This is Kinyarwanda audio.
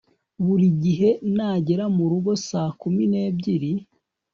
Buri gihe nagera murugo saa kumi nebyiri